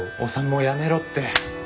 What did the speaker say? もうやめろって。